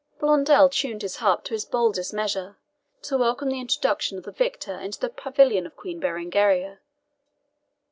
Blondel tuned his harp to his boldest measure, to welcome the introduction of the victor into the pavilion of Queen Berengaria.